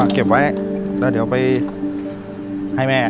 เก็บไว้แล้วเดี๋ยวไปให้แม่